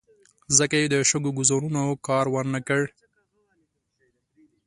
ځکه یې د شګو ګوزارونو کار ور نه کړ.